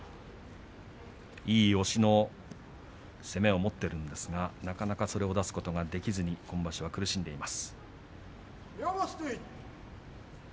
いい押しの攻めを持っているんですがなかなかそれを出すことができずに苦しんでいます。